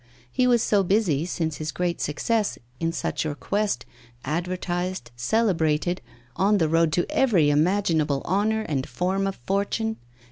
He was so busy since his great success, in such request, advertised, celebrated, on the road to every imaginable honour and form of fortune!